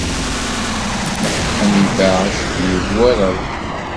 Meḥqen ibeɛɛac-nni war ṛṛeḥma.